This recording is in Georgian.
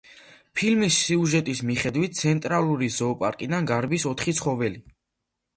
ფილმის სიუჟეტის მიხედვით, ცენტრალური ზოოპარკიდან გარბის ოთხი ცხოველი.